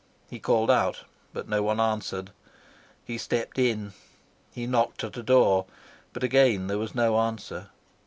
He called out, but no one answered. He stepped in. He knocked at a door, but again there was no answer.